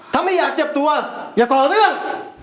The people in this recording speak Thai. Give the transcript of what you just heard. ถ้าไม่อยากเจ็บตัวอย่าก่อเรื่อง